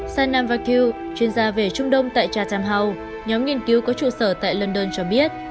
sanam vakil chuyên gia về trung đông tại chatham house nhóm nghiên cứu có trụ sở tại london cho biết